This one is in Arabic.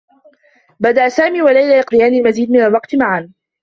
بدآ سامي و ليلى يقضيان المزيد من الوقت معا.